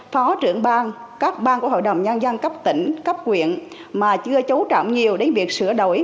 phó trưởng ban các ban của hội đồng nhân dân cấp tỉnh cấp quyền mà chưa chấu trọng nhiều đến việc sửa đổi